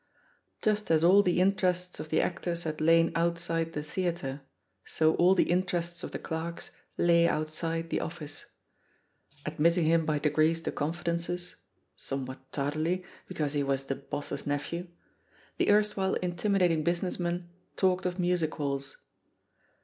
Just as all the interests of the actors had Iain outside the theatre, so all the interests of the clerks lay outside the office. Ad 67 68 THE POSITION OF PEGGY HARPER mitting him by 3egrees to confidences — some what tardily, because he was the *Tboss's nephew*' — the erstwhile intimidating business men talked of music halls.